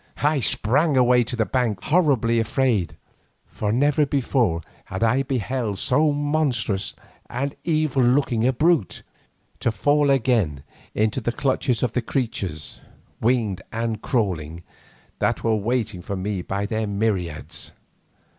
I sprang away to the bank horribly afraid, for never before had I beheld so monstrous and evil looking a brute, to fall again into the clutches of the creatures, winged and crawling, that were waiting for me there by myriads.